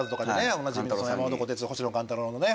おなじみの山本小鉄星野勘太郎のね。